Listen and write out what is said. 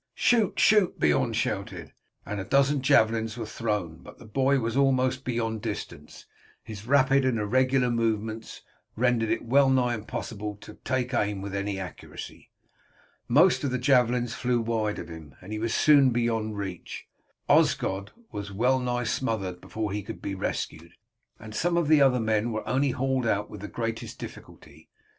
"Shoot! shoot!" Beorn shouted, and a dozen javelins were thrown, but the boy was almost beyond distance, and his rapid and irregular movements rendered it well nigh impossible to take aim with any accuracy. Most of the javelins flew wide of him, and he was soon beyond reach. Osgod was well nigh smothered before he could be rescued, and some of the other men were only hauled out with the greatest difficulty.